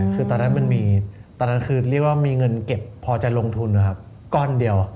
คือตอนนั้นมันมีตอนนั้นคือเรียกว่ามีเงินเก็บพอจะลงทุนนะครับก้อนเดียว